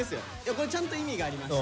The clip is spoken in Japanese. これちゃんと意味がありまして。